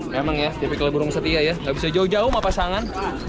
memang ya tipikal burung setia ya gak bisa jauh jauh sama pasangan